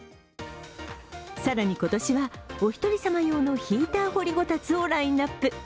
更に今年はお一人様用のヒーター掘りごたつをラインナップ。